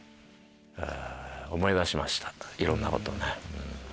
思い出しましたいろんなことをね。